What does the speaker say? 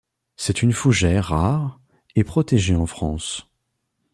C'est une fougère rare et protégée en France.